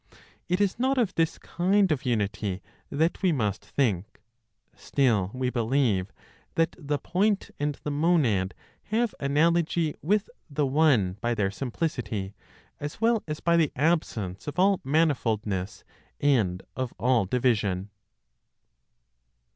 It is not of this kind of unity that we must think; still we believe that the point and the monad have analogy with the One by their simplicity as well as by the absence of all manifoldness and of all division.